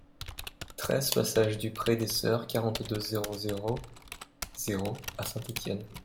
treize passage du Pré des Soeurs, quarante-deux, zéro zéro zéro à Saint-Étienne